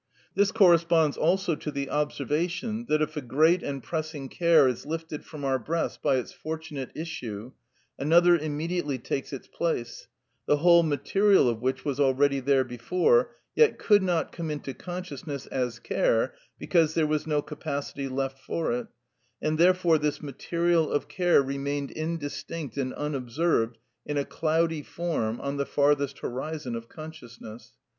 This corresponds also to the observation that if a great and pressing care is lifted from our breast by its fortunate issue, another immediately takes its place, the whole material of which was already there before, yet could not come into consciousness as care because there was no capacity left for it, and therefore this material of care remained indistinct and unobserved in a cloudy form on the farthest horizon of consciousness.